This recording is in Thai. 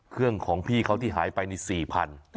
เครื่องของพี่เขาที่หายไปนี่๔พัน